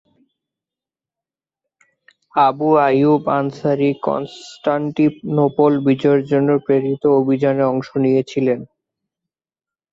Abu Ayyub Ansari Constantinople বিজয়ের জন্য প্রেরিত অভিযানে অংশ নিয়েছিলেন।